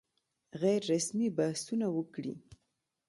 غیر رسمي بحثونه وکړي.